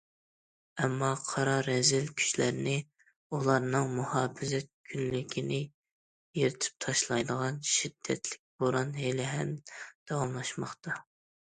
ئەمما، قارا، رەزىل كۈچلەرنى، ئۇلارنىڭ مۇھاپىزەت كۈنلۈكىنى يىرتىپ تاشلايدىغان« شىددەتلىك بوران» ھېلى ھەم داۋاملاشماقتا.